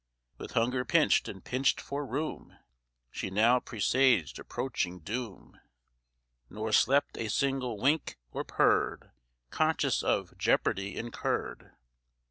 With hunger pinch'd, and pinch'd for room, She now presaged approaching doom, Nor slept a single wink, or purr'd, Conscious of jeopardy incurr'd.